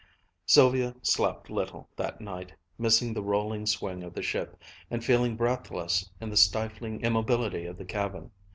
Sylvia slept little that night, missing the rolling swing of the ship, and feeling breathless in the stifling immobility of the cabin.